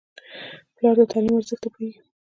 پلار د تعلیم ارزښت ته پوهېږي.